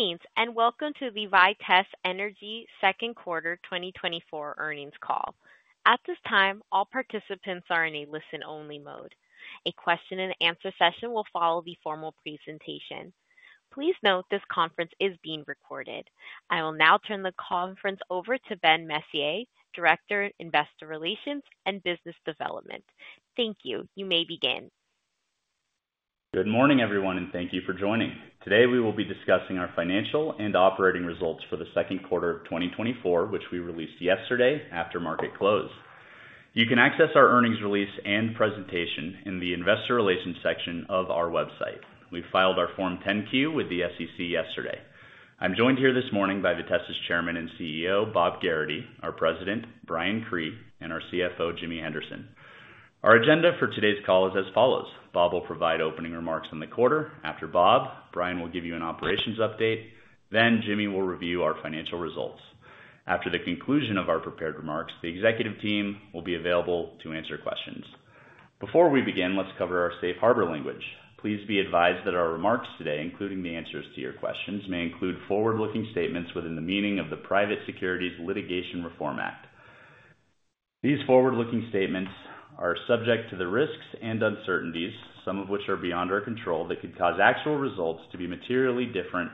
Greetings, and welcome to the Vitesse Energy Q2 2024 Earnings Call. At this time, all participants are in a listen-only mode. A question and answer session will follow the formal presentation. Please note this conference is being recorded. I will now turn the conference over to Ben Messier, Director, Investor Relations and Business Development. Thank you. You may begin. Good morning, everyone, and thank you for joining. Today, we will be discussing our financial and operating results for the second quarter of 2024, which we released yesterday after market close. You can access our earnings release and presentation in the investor relations section of our website. We filed our Form 10-Q with the SEC yesterday. I'm joined here this morning by Vitesse's Chairman and CEO, Bob Gerrity, our President, Brian Cree, and our CFO, Jimmy Henderson. Our agenda for today's call is as follows: Bob will provide opening remarks on the quarter. After Bob, Brian will give you an operations update. Then Jimmy will review our financial results. After the conclusion of our prepared remarks, the executive team will be available to answer questions. Before we begin, let's cover our safe harbor language. Please be advised that our remarks today, including the answers to your questions, may include forward-looking statements within the meaning of the Private Securities Litigation Reform Act. These forward-looking statements are subject to the risks and uncertainties, some of which are beyond our control, that could cause actual results to be materially different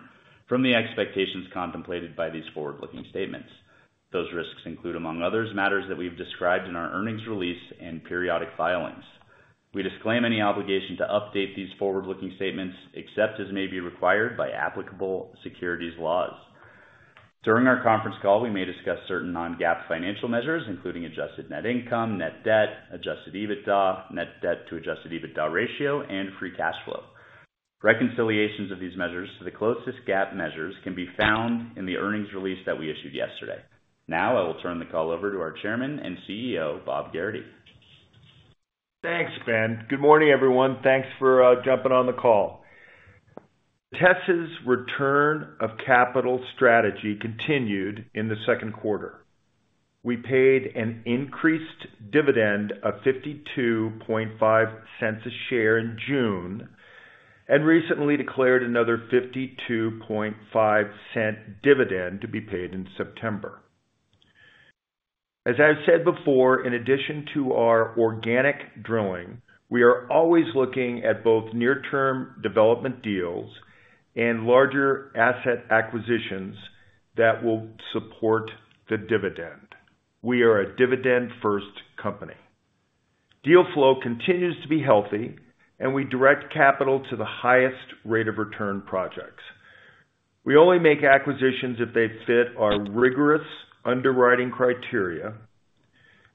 from the expectations contemplated by these forward-looking statements. Those risks include, among others, matters that we've described in our earnings release and periodic filings. We disclaim any obligation to update these forward-looking statements, except as may be required by applicable securities laws. During our conference call, we may discuss certain non-GAAP financial measures, including Adjusted Net Income, net debt, Adjusted EBITDA, net debt to Adjusted EBITDA ratio, and free cash flow. Reconciliations of these measures to the closest GAAP measures can be found in the earnings release that we issued yesterday. Now I will turn the call over to our chairman and CEO, Bob Gerrity. Thanks, Ben. Good morning, everyone. Thanks for jumping on the call. Vitesse's return of capital strategy continued in the second quarter. We paid an increased dividend of $0.525 a share in June, and recently declared another $0.525 dividend to be paid in September. As I've said before, in addition to our organic drilling, we are always looking at both near-term development deals and larger asset acquisitions that will support the dividend. We are a dividend-first company. Deal flow continues to be healthy, and we direct capital to the highest rate of return projects. We only make acquisitions if they fit our rigorous underwriting criteria,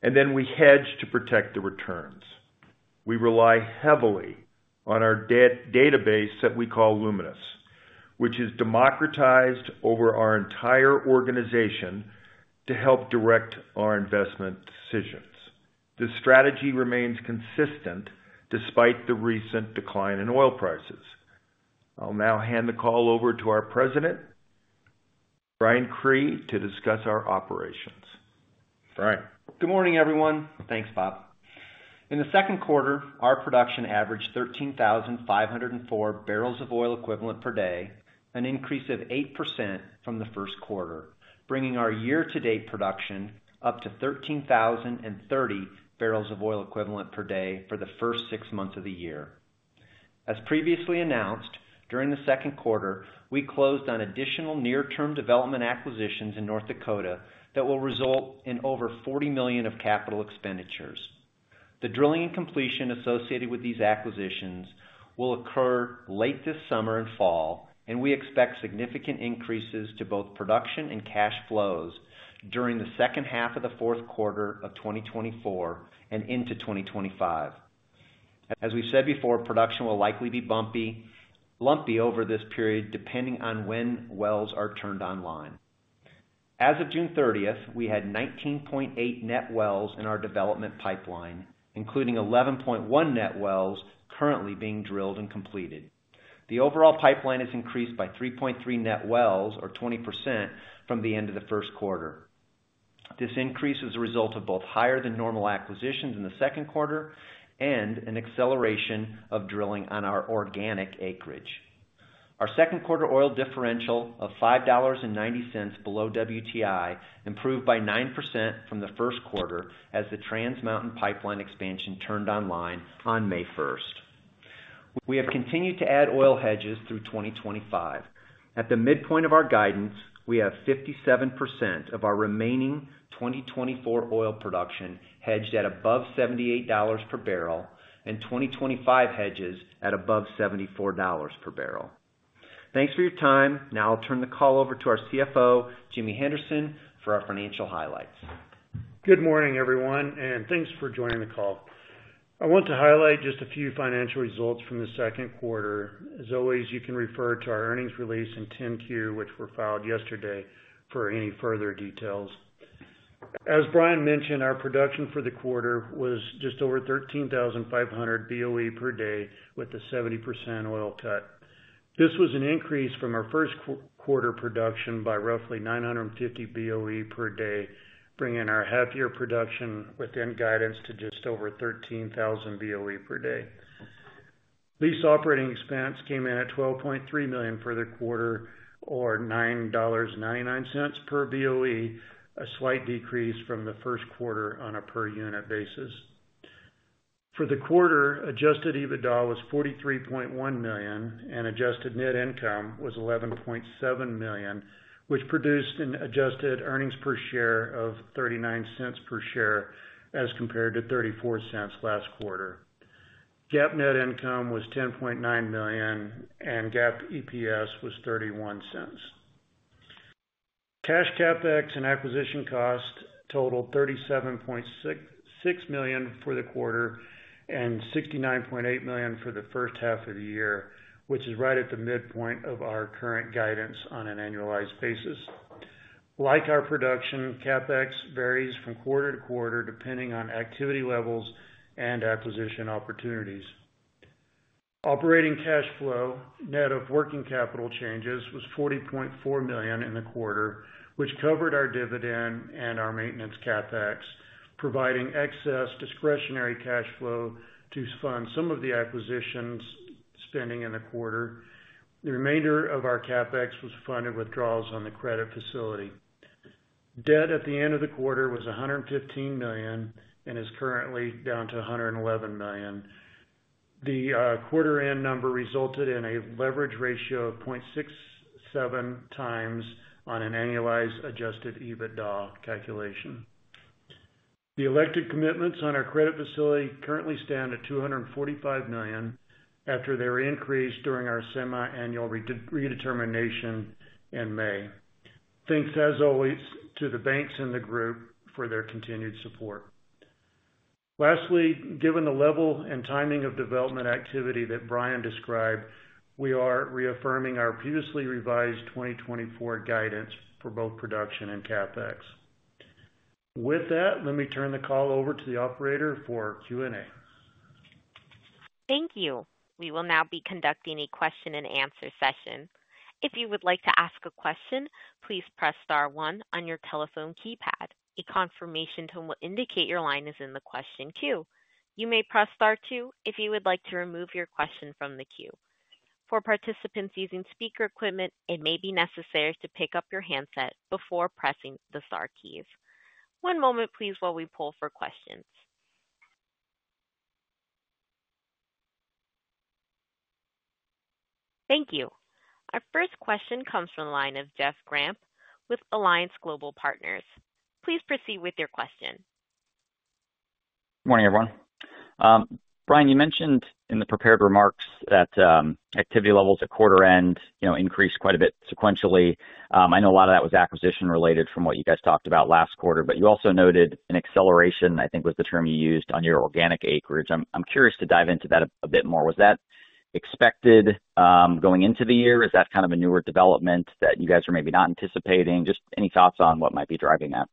and then we hedge to protect the returns. We rely heavily on our database that we call Lumis, which is democratized over our entire organization to help direct our investment decisions. This strategy remains consistent despite the recent decline in oil prices. I'll now hand the call over to our President, Brian Cree, to discuss our operations. Brian? Good morning, everyone. Thanks, Bob. In the second quarter, our production averaged 13,504 barrels of oil equivalent per day, an increase of 8% from the first quarter, bringing our year-to-date production up to 13,030 barrels of oil equivalent per day for the first six months of the year. As previously announced, during the second quarter, we closed on additional near-term development acquisitions in North Dakota that will result in over $40 million of capital expenditures. The drilling and completion associated with these acquisitions will occur late this summer and fall, and we expect significant increases to both production and cash flows during the second half of the fourth quarter of 2024 and into 2025. As we've said before, production will likely be bumpy, lumpy over this period, depending on when wells are turned online. As of June 30th, we had 19.8 net wells in our development pipeline, including 11.1 net wells currently being drilled and completed. The overall pipeline is increased by 3.3 net wells, or 20%, from the end of the first quarter. This increase is a result of both higher than normal acquisitions in the second quarter and an acceleration of drilling on our organic acreage. Our second quarter oil differential of $5.90 below WTI improved by 9% from the first quarter as the Trans Mountain Pipeline expansion turned online on May 1st. We have continued to add oil hedges through 2025. At the midpoint of our guidance, we have 57% of our remaining 2024 oil production hedged at above $78 per barrel and 2025 hedges at above $74 per barrel. Thanks for your time. Now I'll turn the call over to our CFO, Jimmy Henderson, for our financial highlights. Good morning, everyone, and thanks for joining the call. I want to highlight just a few financial results from the second quarter. As always, you can refer to our earnings release and 10-Q, which were filed yesterday, for any further details. As Brian mentioned, our production for the quarter was just over 13,500 BOE per day, with a 70% oil cut. This was an increase from our first quarter production by roughly 950 BOE per day, bringing our half-year production within guidance to just over 13,000 BOE per day... lease operating expense came in at $12.3 million for the quarter, or $9.99 per BOE, a slight decrease from the first quarter on a per unit basis. For the quarter, Adjusted EBITDA was $43.1 million, and Adjusted Net Income was $11.7 million, which produced an Adjusted Earnings Per Share of $0.39 per share, as compared to $0.34 last quarter. GAAP net income was $10.9 million, and GAAP EPS was $0.31. Cash CapEx and acquisition cost totaled $37.66 million for the quarter and $69.8 million for the first half of the year, which is right at the midpoint of our current guidance on an annualized basis. Like our production, CapEx varies from quarter to quarter, depending on activity levels and acquisition opportunities. Operating cash flow, net of working capital changes, was $40.4 million in the quarter, which covered our dividend and our maintenance CapEx, providing excess discretionary cash flow to fund some of the acquisitions spending in the quarter. The remainder of our CapEx was funded withdrawals on the credit facility. Debt at the end of the quarter was $115 million and is currently down to $111 million. The quarter end number resulted in a leverage ratio of 0.67x on an annualized adjusted EBITDA calculation. The elected commitments on our credit facility currently stand at $245 million after their increase during our semiannual redetermination in May. Thanks, as always, to the banks and the group for their continued support. Lastly, given the level and timing of development activity that Brian described, we are reaffirming our previously revised 2024 guidance for both production and CapEx. With that, let me turn the call over to the operator for Q&A. Thank you. We will now be conducting a question-and-answer session. If you would like to ask a question, please press star one on your telephone keypad. A confirmation tone will indicate your line is in the question queue. You may press star two if you would like to remove your question from the queue. For participants using speaker equipment, it may be necessary to pick up your handset before pressing the star keys. One moment, please, while we pull for questions. Thank you. Our first question comes from the line of Jeff Grampp with Alliance Global Partners. Please proceed with your question. Morning, everyone. Brian, you mentioned in the prepared remarks that activity levels at quarter end, you know, increased quite a bit sequentially. I know a lot of that was acquisition related from what you guys talked about last quarter, but you also noted an acceleration, I think, was the term you used on your organic acreage. I'm curious to dive into that a bit more. Was that expected going into the year? Is that kind of a newer development that you guys are maybe not anticipating? Just any thoughts on what might be driving that?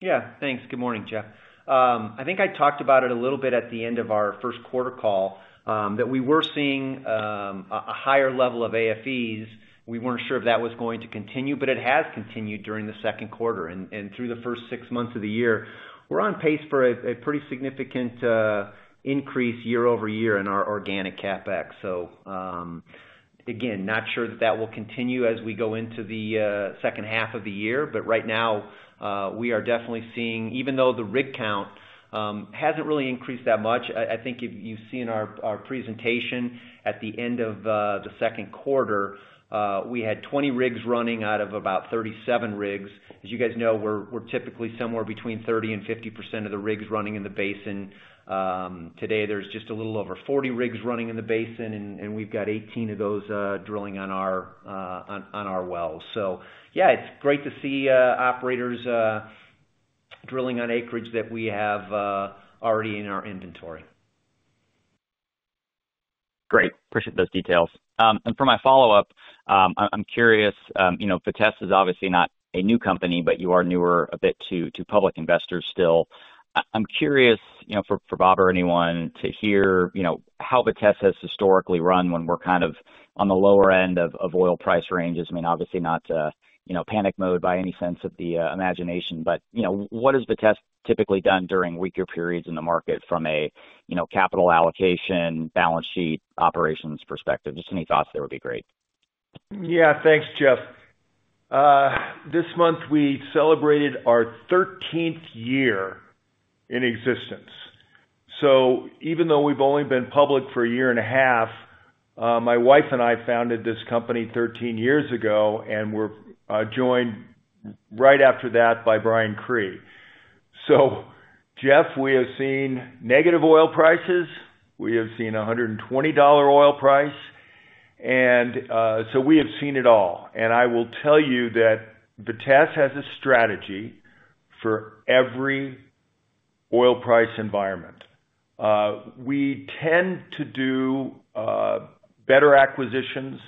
Yeah, thanks. Good morning, Jeff. I think I talked about it a little bit at the end of our first quarter call, that we were seeing a higher level of AFEs. We weren't sure if that was going to continue, but it has continued during the second quarter and through the first six months of the year. We're on pace for a pretty significant increase year-over-year in our organic CapEx. So, again, not sure that that will continue as we go into the second half of the year, but right now, we are definitely seeing... Even though the rig count hasn't really increased that much, I think you see in our presentation at the end of the second quarter, we had 20 rigs running out of about 37 rigs. As you guys know, we're typically somewhere between 30% and 50% of the rigs running in the basin. Today, there's just a little over 40 rigs running in the basin, and we've got 18 of those drilling on our wells. So yeah, it's great to see operators drilling on acreage that we have already in our inventory. Great. Appreciate those details. And for my follow-up, I'm curious, you know, Vitesse is obviously not a new company, but you are newer a bit to public investors still. I'm curious, you know, for Bob or anyone to hear, you know, how Vitesse has historically run when we're kind of on the lower end of oil price ranges. I mean, obviously not, you know, panic mode by any sense of the imagination. But, you know, what has Vitesse typically done during weaker periods in the market from a, you know, capital allocation, balance sheet, operations perspective? Just any thoughts there would be great. Yeah. Thanks, Jeff. This month, we celebrated our 13th year in existence. So even though we've only been public for a year and a half, my wife and I founded this company 13 years ago, and we're joined right after that by Brian Cree. So Jeff, we have seen negative oil prices. We have seen a $120 oil price, and so we have seen it all. And I will tell you that Vitesse has a strategy for every oil price environment. We tend to do better acquisitions,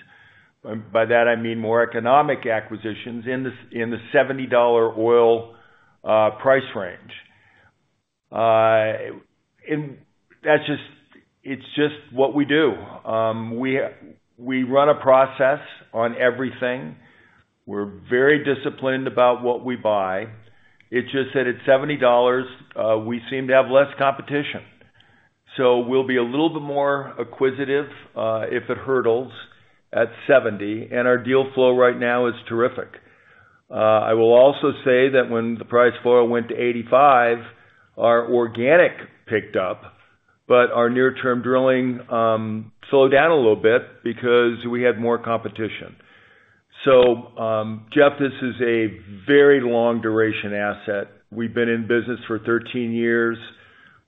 and by that I mean more economic acquisitions, in the $70 oil price range. And that's just. It's just what we do. We run a process on everything. We're very disciplined about what we buy. It's just that at $70, we seem to have less competition. So we'll be a little bit more acquisitive, if it hovers at $70, and our deal flow right now is terrific. I will also say that when the price floor went to $85, our organic picked up, but our near-term drilling slowed down a little bit because we had more competition. So, Jeff, this is a very long duration asset. We've been in business for 13 years.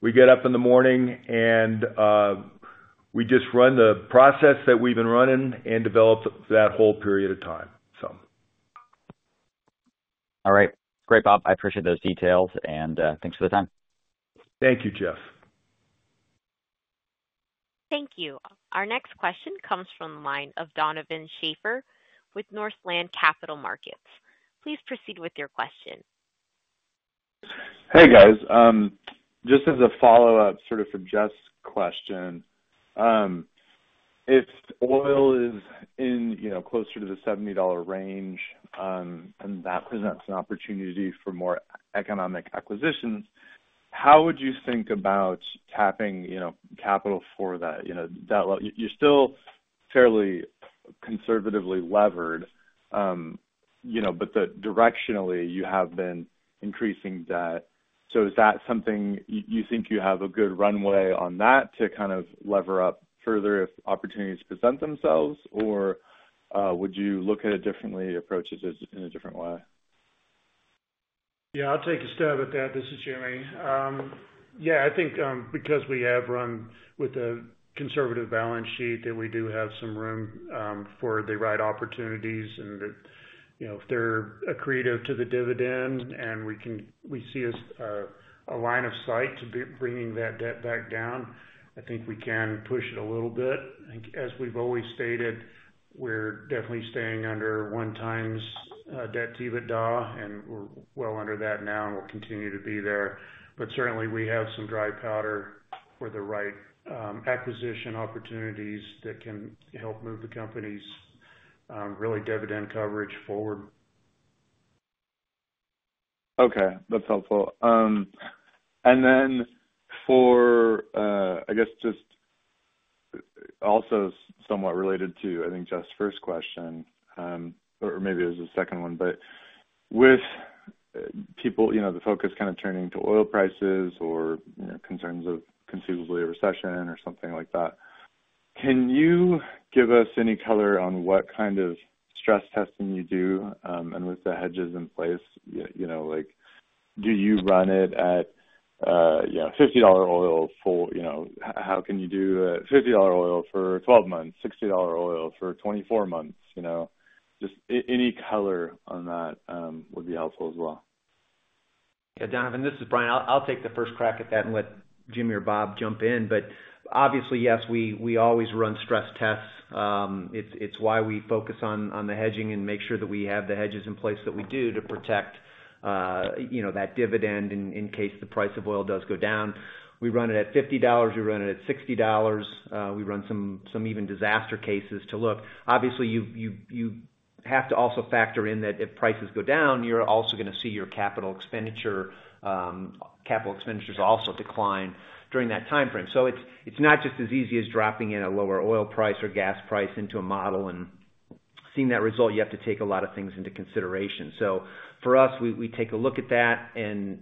We get up in the morning and, we just run the process that we've been running and develop that whole period of time, so. All right. Great, Bob. I appreciate those details, and thanks for the time. Thank you, Jeff. Thank you. Our next question comes from the line of Donovan Schafer with Northland Capital Markets. Please proceed with your question. Hey, guys. Just as a follow-up, sort of for Jeff's question, if oil is in, you know, closer to the $70 range, and that presents an opportunity for more economic acquisitions, how would you think about tapping, you know, capital for that? You know, that'll, you're still fairly conservatively levered, you know, but directionally, you have been increasing debt. So is that something you think you have a good runway on that to kind of lever up further if opportunities present themselves? Or, would you look at it differently, approach it as, in a different way? Yeah, I'll take a stab at that. This is Jimmy. Yeah, I think, because we have run with a conservative balance sheet, that we do have some room for the right opportunities. And that, you know, if they're accretive to the dividend and we can-- we see a line of sight to be bringing that debt back down, I think we can push it a little bit. I think, as we've always stated, we're definitely staying under 1x debt EBITDA, and we're well under that now, and we'll continue to be there. But certainly, we have some dry powder for the right acquisition opportunities that can help move the company's really dividend coverage forward. Okay, that's helpful. And then for, I guess, just also somewhat related to, I think, Jeff's first question, or maybe it was the second one. But with, people, you know, the focus kind of turning to oil prices or, you know, concerns of conceivably a recession or something like that, can you give us any color on what kind of stress testing you do? And with the hedges in place, you know, like, do you run it at, you know, $50 oil for, you know... How can you do it at $50 oil for 12 months, $60 oil for 24 months, you know? Just any color on that, would be helpful as well. Yeah, Donovan, this is Brian. I'll take the first crack at that and let Jimmy or Bob jump in. But obviously, yes, we always run stress tests. It's why we focus on the hedging and make sure that we have the hedges in place that we do to protect, you know, that dividend in case the price of oil does go down. We run it at $50, we run it at $60, we run some even disaster cases to look. Obviously, you have to also factor in that if prices go down, you're also gonna see your capital expenditures also decline during that timeframe. So it's not just as easy as dropping in a lower oil price or gas price into a model and seeing that result. You have to take a lot of things into consideration. So for us, we take a look at that and,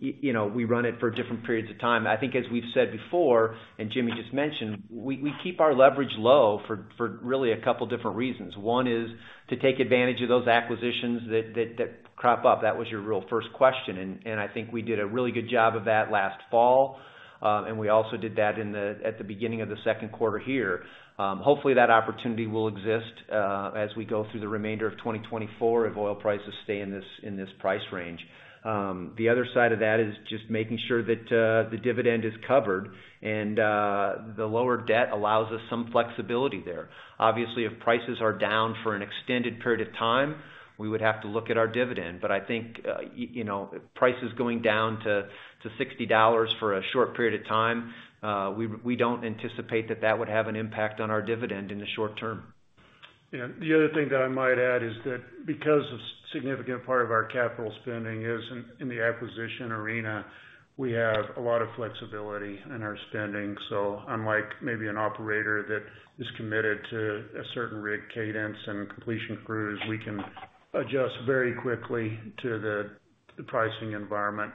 you know, we run it for different periods of time. I think as we've said before, and Jimmy just mentioned, we keep our leverage low for really a couple different reasons. One is to take advantage of those acquisitions that crop up. That was your real first question, and I think we did a really good job of that last fall. And we also did that at the beginning of the second quarter here. Hopefully, that opportunity will exist as we go through the remainder of 2024 if oil prices stay in this price range. The other side of that is just making sure that the dividend is covered, and the lower debt allows us some flexibility there. Obviously, if prices are down for an extended period of time, we would have to look at our dividend. But I think, you know, prices going down to $60 for a short period of time, we don't anticipate that that would have an impact on our dividend in the short term. And the other thing that I might add is that because a significant part of our capital spending is in the acquisition arena, we have a lot of flexibility in our spending. So unlike maybe an operator that is committed to a certain rig cadence and completion crews, we can adjust very quickly to the pricing environment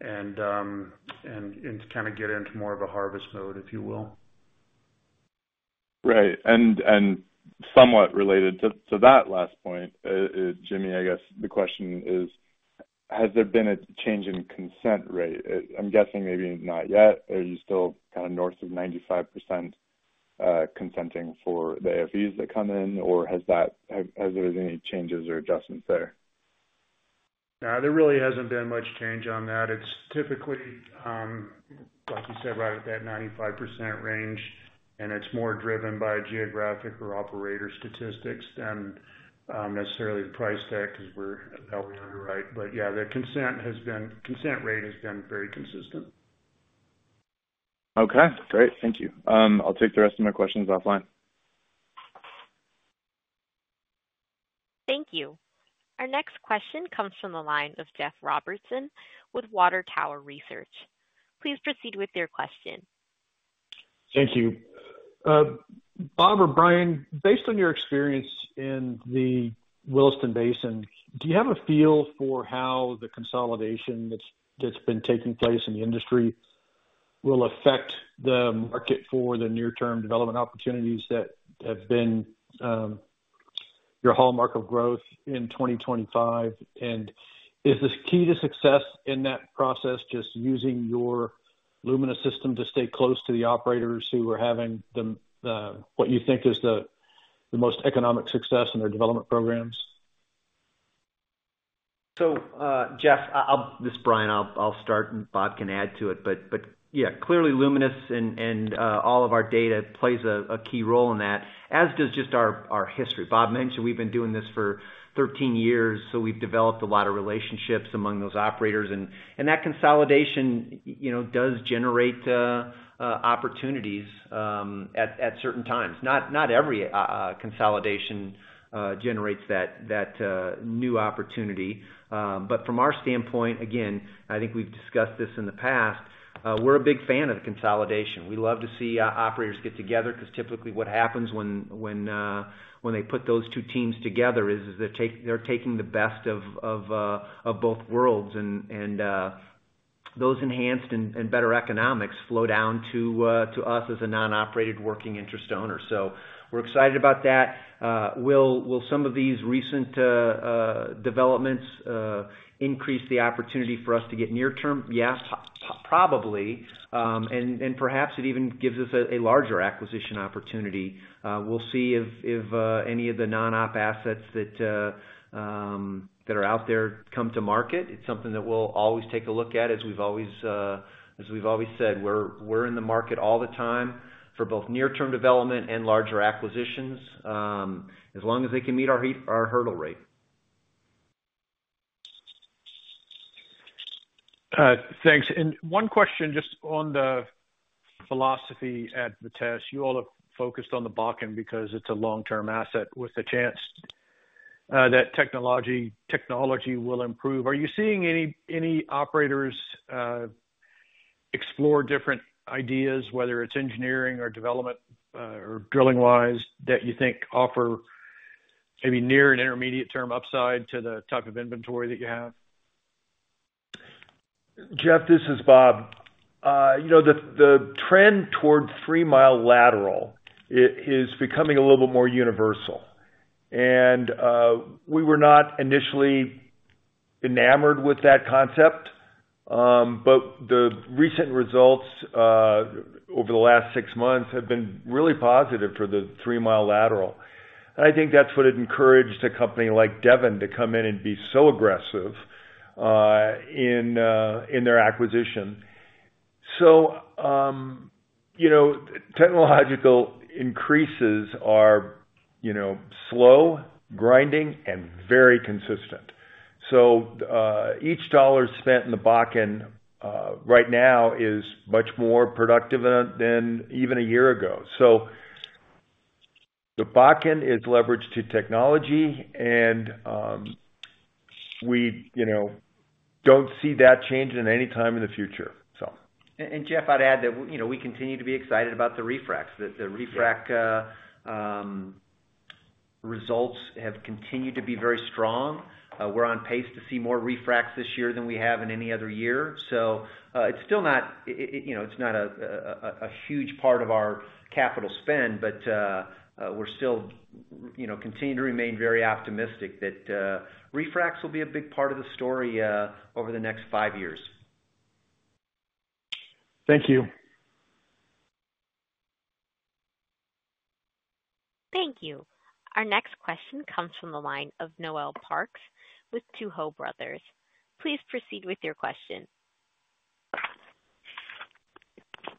and kind of get into more of a harvest mode, if you will. Right. And somewhat related to that last point, Jimmy, I guess the question is: Has there been a change in consent rate? I'm guessing maybe not yet, or are you still kind of north of 95% consenting for the AFEs that come in, or has that—has there been any changes or adjustments there? No, there really hasn't been much change on that. It's typically, like you said, right at that 95% range, and it's more driven by geographic or operator statistics than, necessarily the price tag, because we're well under, right? But yeah, the consent has been, consent rate has been very consistent. ... Okay, great. Thank you. I'll take the rest of my questions offline. Thank you. Our next question comes from the line of Jeff Robertson with Water Tower Research. Please proceed with your question. Thank you. Bob or Brian, based on your experience in the Williston Basin, do you have a feel for how the consolidation that's been taking place in the industry will affect the market for the near-term development opportunities that have been your hallmark of growth in 2025? And is this key to success in that process, just using your Lumis system to stay close to the operators who are having the what you think is the most economic success in their development programs? So, Jeff, this is Brian. I'll start and Bob can add to it. But yeah, clearly, Lumis and all of our data plays a key role in that, as does just our history. Bob mentioned we've been doing this for 13 years, so we've developed a lot of relationships among those operators. And that consolidation, you know, does generate opportunities at certain times. Not every consolidation generates that new opportunity. But from our standpoint, again, I think we've discussed this in the past, we're a big fan of consolidation. We love to see operators get together, because typically what happens when they put those two teams together is they're taking the best of both worlds, and those enhanced and better economics flow down to us as a non-operated working interest owner. So we're excited about that. Will some of these recent developments increase the opportunity for us to get near term? Yes, probably. And perhaps it even gives us a larger acquisition opportunity. We'll see if any of the non-op assets that are out there come to market. It's something that we'll always take a look at. As we've always said, we're in the market all the time for both near-term development and larger acquisitions, as long as they can meet our hurdle rate. Thanks. One question just on the philosophy at the thesis. You all have focused on the Bakken because it's a long-term asset with a chance that technology will improve. Are you seeing any operators explore different ideas, whether it's engineering or development or drilling-wise, that you think offer maybe near- and intermediate-term upside to the type of inventory that you have? Jeff, this is Bob. You know, the trend toward three-mile lateral is becoming a little bit more universal, and we were not initially enamored with that concept. But the recent results over the last six months have been really positive for the three-mile lateral. I think that's what encouraged a company like Devon to come in and be so aggressive in their acquisition. So, you know, technological increases are, you know, slow, grinding, and very consistent. So, each dollar spent in the Bakken right now is much more productive than even a year ago. So the Bakken is leveraged to technology, and we, you know, don't see that changing any time in the future, so. And, Jeff, I'd add that, you know, we continue to be excited about the refracs. Yeah. The refracs results have continued to be very strong. We're on pace to see more refracs this year than we have in any other year. So, we're still, you know, continue to remain very optimistic that refracs will be a big part of the story over the next five years. Thank you. Thank you. Our next question comes from the line of Noel Parks with Tuohy Brothers. Please proceed with your question.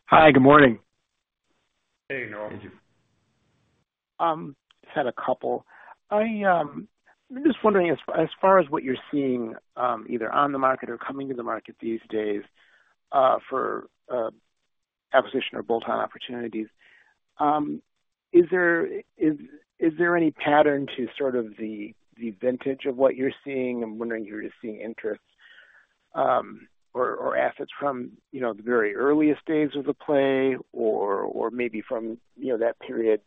Hi, good morning. Hey, Noel. Just had a couple. I'm just wondering, as far as what you're seeing, either on the market or coming to the market these days, for acquisition or bolt-on opportunities, is there any pattern to sort of the vintage of what you're seeing? I'm wondering if you're just seeing interest, or assets from, you know, the very earliest days of the play, or maybe from, you know, that period,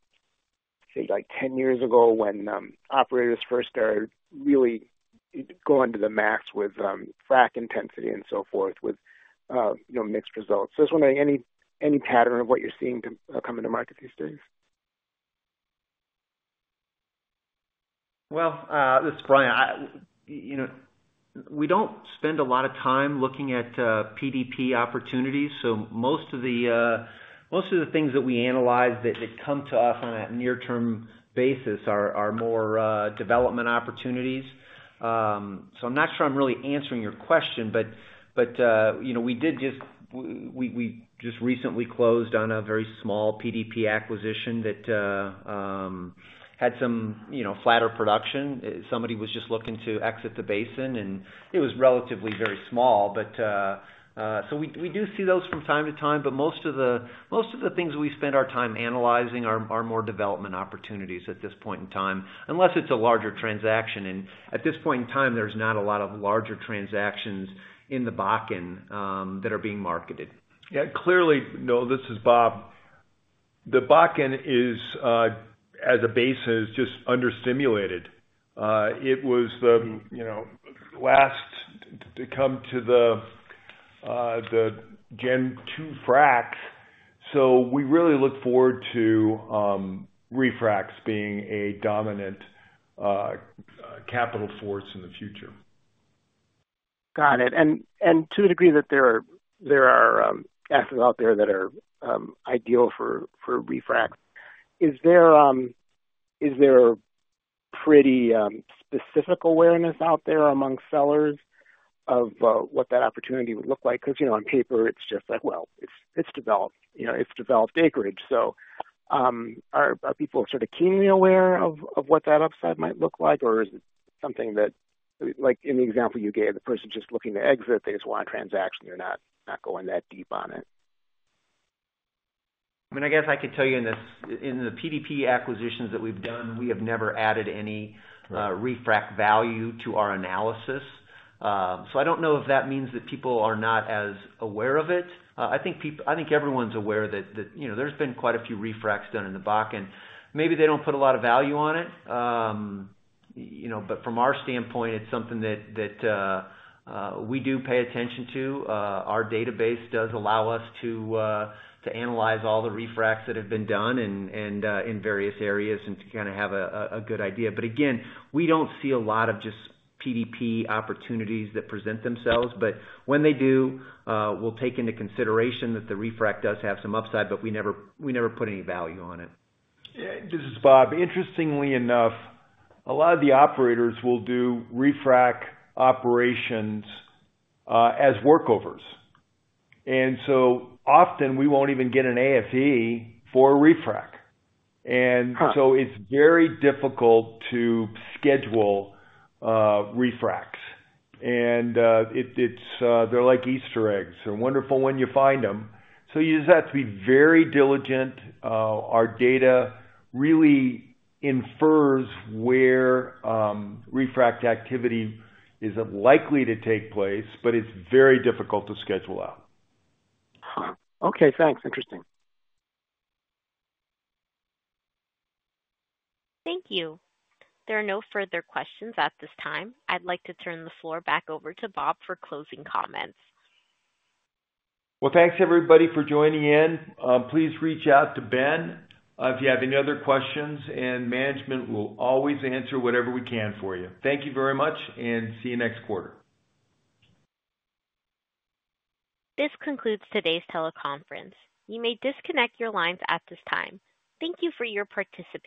say, like 10 years ago, when operators first started really going to the max with frac intensity and so forth, with, you know, mixed results. Just wondering, any pattern of what you're seeing come into market these days? Well, this is Brian. You know, we don't spend a lot of time looking at PDP opportunities, so most of the things that we analyze that come to us on a near-term basis are more development opportunities. So I'm not sure I'm really answering your question, but you know, we just recently closed on a very small PDP acquisition that had some, you know, flatter production. Somebody was just looking to exit the basin, and it was relatively very small, but so we do see those from time to time, but most of the things we spend our time analyzing are more development opportunities at this point in time, unless it's a larger transaction. At this point in time, there's not a lot of larger transactions in the Bakken that are being marketed. Yeah, clearly, Noel, this is Bob. The Bakken is, as a base, is just understimulated. It was the, you know, last to come to the, the Gen 2 fracs. So we really look forward to refracs being a dominant capital force in the future. Got it. To the degree that there are assets out there that are ideal for refrac, is there pretty specific awareness out there among sellers of what that opportunity would look like? 'Cause, you know, on paper, it's just like, well, it's developed, you know, developed acreage. So, are people sort of keenly aware of what that upside might look like? Or is it something that, like in the example you gave, the person just looking to exit, they just want a transaction, they're not going that deep on it? I mean, I guess I could tell you in the PDP acquisitions that we've done, we have never added any refrac value to our analysis. So I don't know if that means that people are not as aware of it. I think everyone's aware that, you know, there's been quite a few refracs done in the Bakken. Maybe they don't put a lot of value on it. You know, but from our standpoint, it's something that we do pay attention to. Our database does allow us to analyze all the refracs that have been done and in various areas and to kinda have a good idea. But again, we don't see a lot of just PDP opportunities that present themselves. But when they do, we'll take into consideration that the refrac does have some upside, but we never put any value on it. Yeah, this is Bob. Interestingly enough, a lot of the operators will do refrac operations as workovers, and so often we won't even get an AFE for a refrac. Huh. And so it's very difficult to schedule refracs. And it's, they're like Easter eggs, they're wonderful when you find them. So you just have to be very diligent. Our data really infers where refrac activity is likely to take place, but it's very difficult to schedule out. Huh. Okay, thanks. Interesting. Thank you. There are no further questions at this time. I'd like to turn the floor back over to Bob for closing comments. Well, thanks, everybody, for joining in. Please reach out to Ben, if you have any other questions, and management will always answer whatever we can for you. Thank you very much, and see you next quarter. This concludes today's teleconference. You may disconnect your lines at this time. Thank you for your participation.